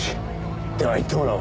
では行ってもらおう。